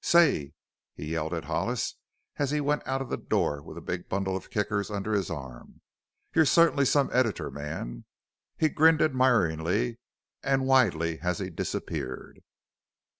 Say," he yelled at Hollis as he went out of the door with a big bundle of Kickers under his arm, "you're cert'nly some editor man!" He grinned admiringly and widely as he disappeared.